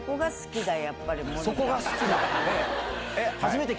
そこが好きなん？